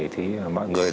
thì mọi người